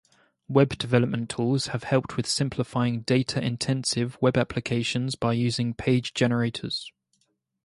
Web development tools have helped with simplifying data-intensive Web applications by using page generators.